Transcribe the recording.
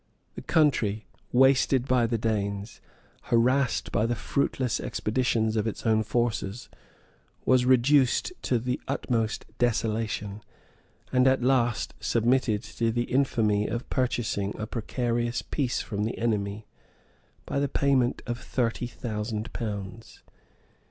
The country, wasted by the Danes, harassed by the fruitless expeditions of its own forces, was reduced to the utmost desolation, and at last submitted to the infamy of purchasing a precarious peace from the enemy, by the payment of thirty thousand pounds.